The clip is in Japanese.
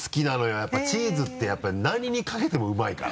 やっぱチーズって何にかけてもうまいから。